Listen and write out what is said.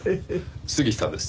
杉下です。